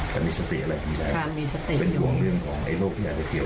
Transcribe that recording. แต่มีสติอะไรดีแล้วค่ะมีสติเป็นห่วงเรื่องของไอ้โรคที่อยากจะเกี่ยว